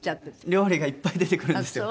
料理がいっぱい出てくるんですよ。